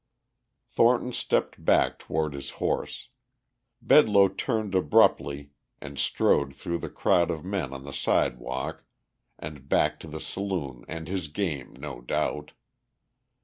Thornton stepped back toward his horse. Bedloe turned abruptly and strode through the crowd of men on the sidewalk and back to the saloon and his game, no doubt.